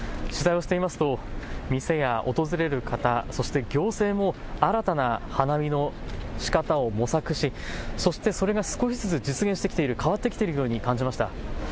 取材をしていますと店や訪れる方、そして行政も新たな花見のしかたを模索しそしてそれが少しずつ実現してきている、変わってきているように感じました。